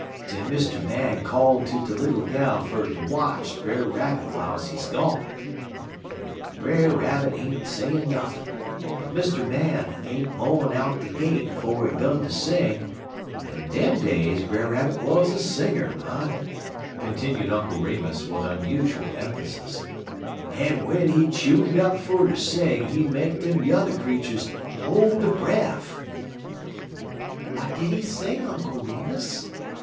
"Den Mr. Man call to der Little Gal ter watch Brer Rabbit w'iles he gone. "Brer Rabbit ain't sayin' nothin', but Mr. Man ain't mo'n out de gate 'fo' he 'gun ter sing; en in dem days Brer Rabbit wuz a singer, mon," continued Uncle Remus, with unusual emphasis, "en w'en he chuned up fer ter sing he make dem yuther creeturs hol' der bref." "What did he sing, Uncle Remus?"